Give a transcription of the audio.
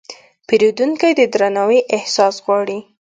پیرودونکی د درناوي احساس غواړي.